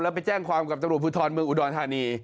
แล้วไปแจ้งความกับตำรวจภูทรเมืองอุดรธานี